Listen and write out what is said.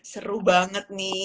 seru banget nih